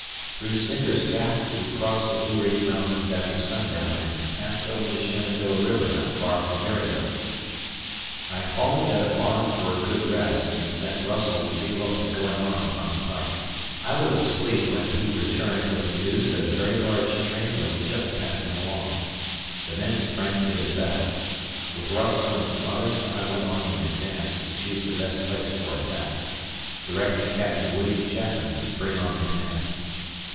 Through Snicker's Gap we crossed the Blue Ridge Mountains after sundown and passed over the Shenandoah River not far from Berryville. I halted at a barn for a good rest and sent Russell to see what was going on upon the pike. I was asleep when he returned with the news that a very large train was just passing along. The men sprang to their saddles. With Russell and some others I went on in advance to choose the best place for attack, directing Captain William Chapman to bring on the command.